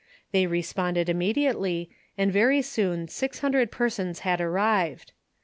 They responded im mediately, and very soon six hundred persons had arrived.